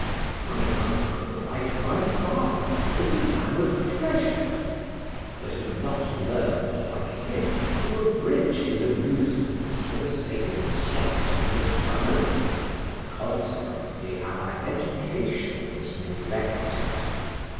My uncle, like my father, was a man of pleasure, but had not learned, like him, to abridge his amusements for the sake of instructing his family, consequently our education was neglected.